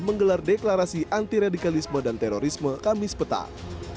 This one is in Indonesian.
menggelar deklarasi anti radikalisme dan terorisme kamis petang